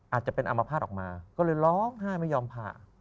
อาจจะเป็นอามภาษณ์ออกมาก็เลยร้องไห้ไม่ยอมผ่า